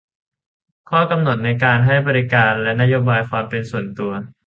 ข้อกำหนดในการให้บริการและนโยบายความเป็นส่วนตัว